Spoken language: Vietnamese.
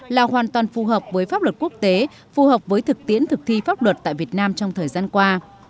là hoàn toàn phù hợp với pháp luật quốc tế phù hợp với thực tiễn thực thi pháp luật tại việt nam trong thời gian qua